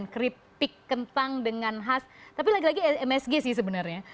keripik kentang dengan khas tapi lagi lagi smsg sih sebenarnya